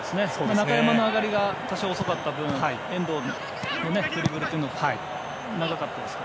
中山の上がりが多少遅かった分遠藤のドリブルが長かったですね。